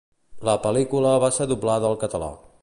La pel·lícula va ser doblada al català.